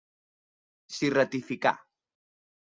S'hi ratificà.